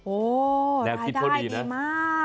โอ้รายได้ดีมาก